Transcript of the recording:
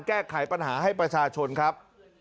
แก้ไขปัญหาให้ประชาชนครับ